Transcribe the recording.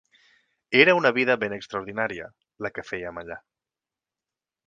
Era una vida ben extraordinària, la que fèiem allà